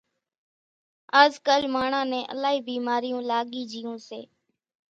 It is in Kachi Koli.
آز ڪالِ ماڻۿان نين الائِي ڀيمارِيون لاڳِي جھيوُن سي۔